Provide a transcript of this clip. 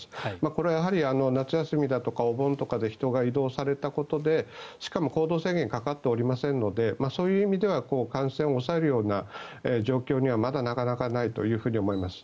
これはやはり夏休みだとかお盆とかで人が移動されたことでしかも行動制限がかかっておりませんのでそういう意味では感染を抑えるような状況にはまだなかなかないというふうに思います。